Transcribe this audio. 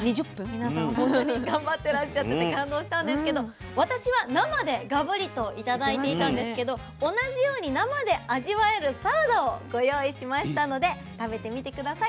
皆さん本当に頑張ってらっしゃってて感動したんですけど私は生でガブリと頂いていたんですけど同じように生で味わえるサラダをご用意しましたので食べてみて下さい。